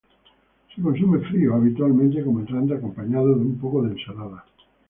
Se consume frío, habitualmente como entrante acompañado de un poco de ensalada.